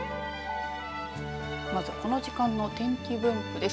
まずこの時間の天気分布です。